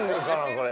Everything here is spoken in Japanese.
これ。